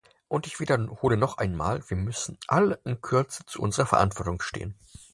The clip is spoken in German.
Und ich wiederhole noch einmal, wir müssen alle in Kürze zu unserer Verantwortung stehen.